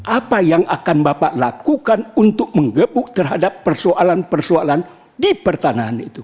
apa yang akan bapak lakukan untuk menggebuk terhadap persoalan persoalan di pertanahan itu